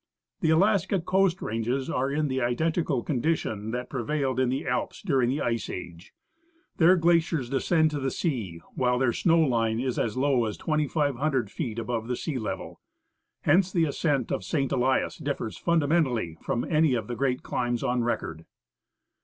The Alaskan coast ranges are in the identical condition that prevailed in the Alps during the ice age ; their glaciers descend to the sea, while their snow line is as low as 2,500 feet above the sea level. Hence, the ascent of St. Elias differs fundamentally from any of the great climbs on record.